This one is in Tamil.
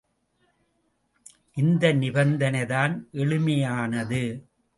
இந்த நிபந்தனைதான் எளிமையானது.